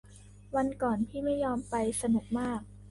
วันก่อนพี่ไม่ยอมไป สนุกมาก